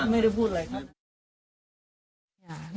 ไม่ได้พูดอะไร